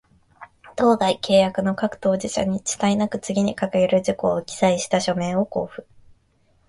当該契約の各当事者に、遅滞なく、次に掲げる事項を記載した書面を交付